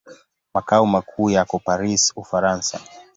Makao makuu yako Paris, Ufaransa.